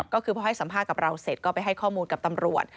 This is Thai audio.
ก็คือพอให้สัมภาษณ์กับเราเสร็จก็ไปให้ข้อมูลกับตำรวจ